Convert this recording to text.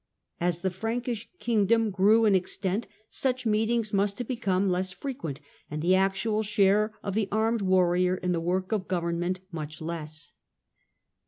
As the Frankish kingdom grew in extent such meetings must have become less frequent, and the actual share of the armed warrior in the work of government much less.